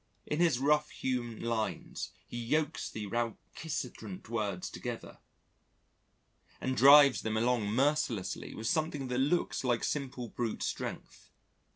In his rough hewn lines he yokes the recalcitrant words together and drives them along mercilessly with something that looks like simple brute strength.